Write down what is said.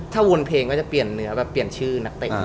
ถ้าวนเพลงก็จะเปลี่ยนเนื้อแบบเปลี่ยนชื่อนักเตะ